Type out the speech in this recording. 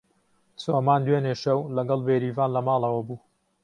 چۆمان دوێنێ شەو لەگەڵ بێریڤان لە ماڵەوە بوو.